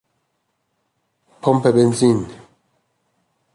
پمپ بنزین